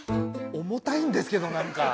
重たいんですけど何か。